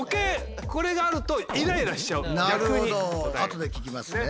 後で聞きますね。